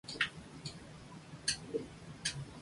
Dicha población se encuentra al sureste distrito de Delhi.